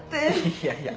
いやいや。